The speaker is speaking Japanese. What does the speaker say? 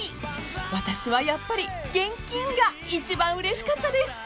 ［私はやっぱり現金が一番うれしかったです］